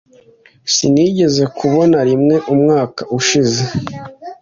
Sinigeze nkubona rimwe umwaka ushize.